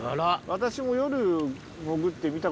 私も。